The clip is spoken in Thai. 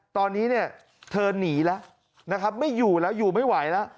ตอนนี้เธอนี่ละไม่อยู่แล้วอยู่ไม่ไหวละ